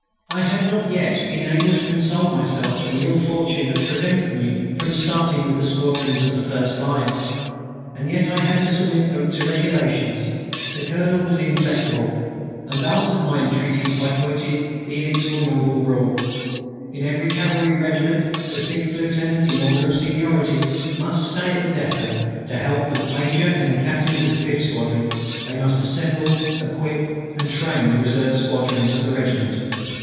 I had not yet been able to console myself for the ill fortune that prevented me from starting with the squadrons of the first line. And yet I had to submit to regulations. The colonel was inflexible, and answered my entreaties by quoting the inexorable rule: In every cavalry regiment the sixth lieutenant in order of seniority must stay at the depôt to help the major and the captain of the 5th squadron. They must assemble, equip, and train the reserve squadrons of the regiment.